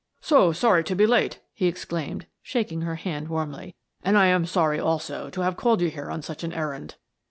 "So sorry to be late," he exclaimed, shaking her hand warmly. "And I am sorry, also, to have called you here on such an errand."